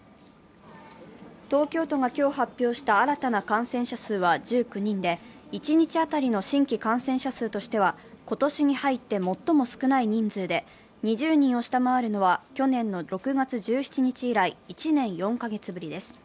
東京都が今日発表した新たな感染者数は１９人で、一日に当たりの新規感染者数としては今年に入って最も少ない人数で、２０人を下回るのは去年の６月１７日以来１年４カ月ぶりです。